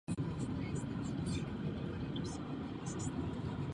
Tato vozidla ale jsou již vyřazena.